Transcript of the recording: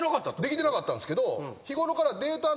できてなかったんですけど。